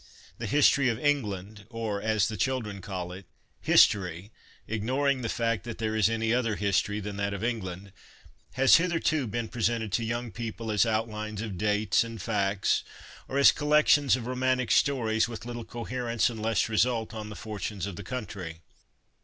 The History of England, or, as the children call it, History, ignoring the fact that there is any other history than that of England, has hitherto been presented to young people as " outlines of dates and facts, or as collections of romantic stories, with little coherence and less result on the fortunes of the country."